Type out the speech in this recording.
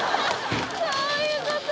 そういうこと？